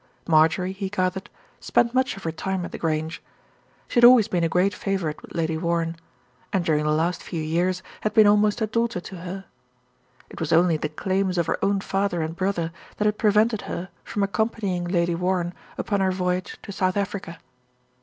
Marjorie, he gathered, spent much of her time at The Grange. She had always been a great favourite with Lady Warren; and during the last few years had been almost a daughter to her. It was only the claims of her own father and brother that had prevented her from accompanying Lady Warren upon her voyage to South Africa.